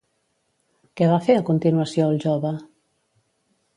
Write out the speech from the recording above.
Què va fer a continuació el jove?